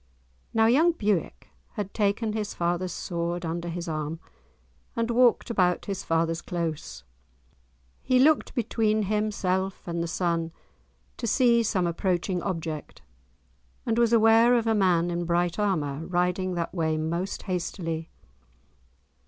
Now young Bewick had taken his father's sword under his arm, and walked about his father's close. He looked between himself and the sun, to see some approaching object, and was aware of a man in bright armour, riding that way most hastily.